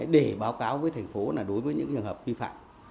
để báo cáo với thành phố là đối với những trường hợp vi phạm